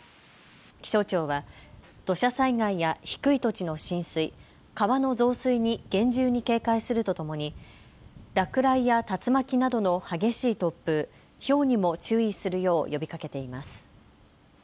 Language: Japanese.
気象庁は土砂災害や低い土地の浸水、川の増水に厳重に警戒するとともに落雷や竜巻などの激しい突風、ひょうにも注意するよう呼びかけています。